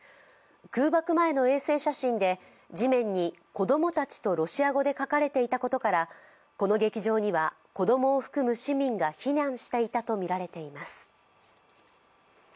空爆前の衛星写真で地面に子供たちとロシア語で書かれていたことから、この劇場には子供を含む市民が避難していたとみられています。